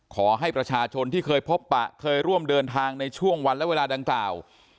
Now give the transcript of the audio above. ขอให้ประชาชนที่เคยพบปะเคยร่วมเดินทางในช่วงวันและเวลาดังกล่าว